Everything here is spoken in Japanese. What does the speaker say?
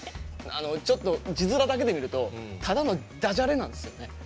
ちょっと字面だけで見るとただのだじゃれなんですよね。